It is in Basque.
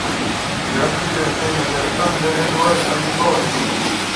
Geratzen diren zenbait herritan D eredua eskainiko baitu.